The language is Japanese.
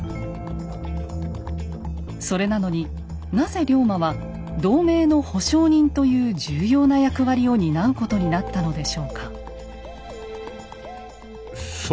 それなのになぜ龍馬は同盟の保証人という重要な役割を担うことになったのでしょうか？